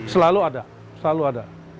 selalu ada selalu ada